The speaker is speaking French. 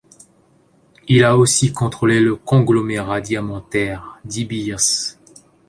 Il a aussi contrôlé le conglomérat diamantaire De Beers.